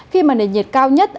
khi mà nền nhiệt cao nhất